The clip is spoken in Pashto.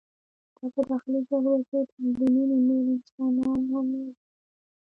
په داخلي جګړو کې په میلیونونو نور انسانان هم ووژل شول.